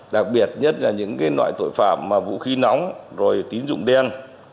đặc biệt nhất là những loại tội phạm vũ khí nóng rồi tín dụng đen